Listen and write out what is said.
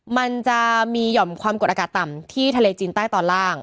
มันจะมีหย่อมความกดอากาศต่ำที่ทะเลจีนใต้ตอนล่าง